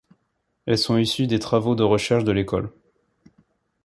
Elles sont issues des travaux de recherche de l’École.